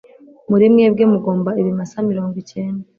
Muri mwebwe mugomba ibimasa mirongo icyenda